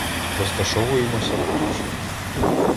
Розташовуємося поруч.